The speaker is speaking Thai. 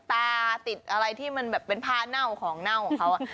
ตาติดอะไรที่มันแบบเป็นผ้าเน่าของเน่าของเขา